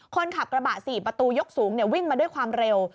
คนขับกระบะ๔ประตูยกสูงวิ่งมาด้วยความเร็ว